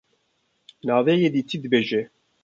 navê yê dîtiyî dibêje.